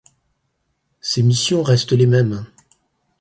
Ses missions restent les mêmes.